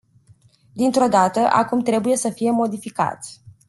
Dintr-o dată, acum trebuie să fie modificat.